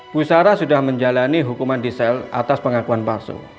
pusara sudah menjalani hukuman di sel atas pengakuan palsu